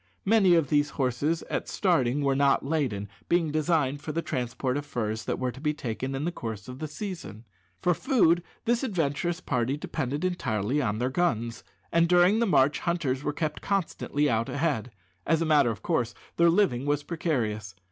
Many of these horses, at starting, were not laden, being designed for the transport of furs that were to be taken in the course of the season. For food this adventurous party depended entirely on their guns, and during the march hunters were kept constantly out ahead. As a matter of course, their living was precarious.